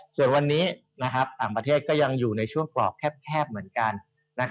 ส่วนวันนี้ต่างประเทศก็ยังอยู่ในช่วงกรอกแคบเหมือนกัน